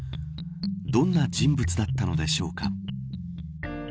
どんな人物だったのでしょうか。